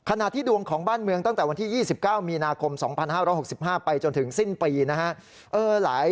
ดวงของบ้านเมืองตั้งแต่วันที่๒๙มีนาคม๒๕๖๕ไปจนถึงสิ้นปีนะฮะ